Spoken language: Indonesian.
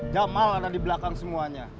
jamal ada di belakang semuanya